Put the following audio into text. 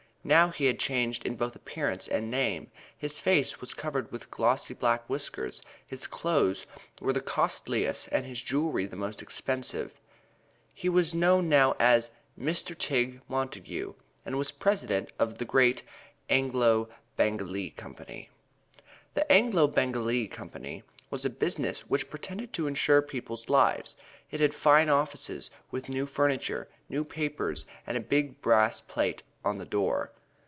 Now he had changed in both appearance and name. His face was covered with glossy black whiskers, his clothes were the costliest and his jewelry the most expensive. He was known now as "Mr. Tigg Montague," and was president of the great "Anglo Bengalee Company." The Anglo Bengalee Company was a business which pretended to insure people's lives. It had fine offices with new furniture, new paper and a big brass plate on the door.